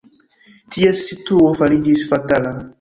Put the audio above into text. Ties situo fariĝis fatala.